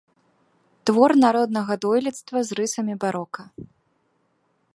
Твор народнага дойлідства з рысамі барока.